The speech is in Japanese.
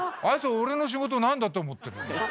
あいつ俺の仕事なんだと思ってるんだ。